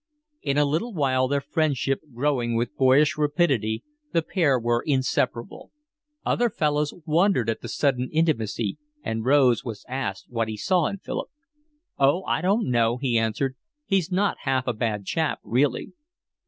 In a little while, their friendship growing with boyish rapidity, the pair were inseparable. Other fellows wondered at the sudden intimacy, and Rose was asked what he saw in Philip. "Oh, I don't know," he answered. "He's not half a bad chap really."